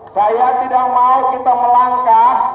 saya tidak mau kita melangkah